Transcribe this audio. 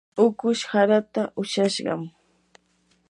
ukush haraata ushashqam.